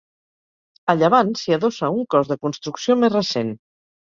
A llevant s'hi adossa un cos de construcció més recent.